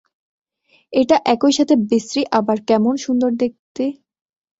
এটা একই সাথে বিশ্রী আবার কেমন সুন্দর দেখতে!